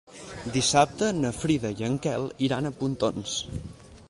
Dissabte na Frida i en Quel iran a Pontons.